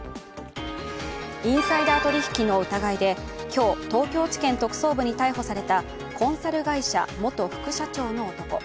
インサイダー取引の疑いで今日、東京地検特捜部に逮捕されたコンサル会社元副社長の男。